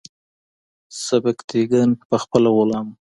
سبکتیګن پخپله غلام و.